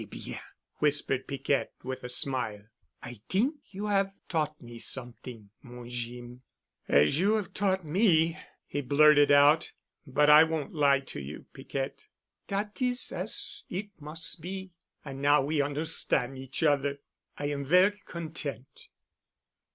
"C'est bien," whispered Piquette with a smile. "I t'ink you 'ave taught me somet'ing, mon Jeem——" "As you've taught me," he blurted out, "but I won't lie to you, Piquette." "Dat is as it mus' be. An' now we on'erstan' each oder. I am ver' content."